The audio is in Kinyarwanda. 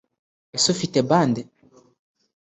ese ufite band